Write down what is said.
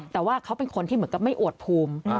แต่ว่าเขาเป็นคนที่เหมือนกับไม่อวดภูมิ